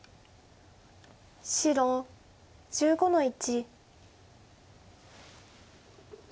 白１５の一。